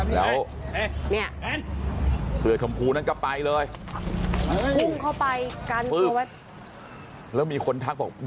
แล้วเนี่ยเสื้อชมพูนั้นก็ไปเลยพุ่งเข้าไปกันมือไว้แล้วมีคนทักบอก